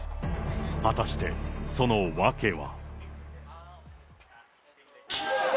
果たしてその訳は。